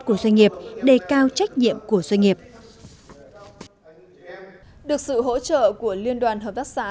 của doanh nghiệp đề cao trách nhiệm của doanh nghiệp được sự hỗ trợ của liên đoàn hợp tác xã